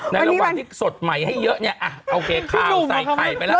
ในแรงวันนีสดใหม่ให้เยอะเนี่ยโอเคข้าวใส่ไข่ไปแล้ว